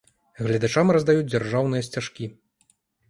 Гледачам раздаюць дзяржаўныя сцяжкі.